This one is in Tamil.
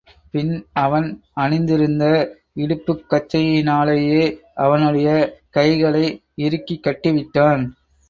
பின் அவன் அணிந்திருந்த இடுப்புக் கச்சையினாலேயே அவனுடைய கைகளை இறுக்கிக் கட்டி விட்டான்.